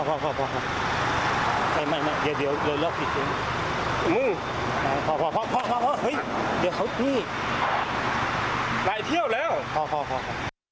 พอพอพอพอพอพอพอพอทักเที่ยวแล้วพอพอพอ